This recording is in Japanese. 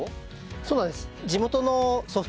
そうなんです。